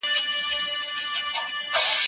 هغه د غږ په لټه کې له مادي نړۍ څخه واوښت.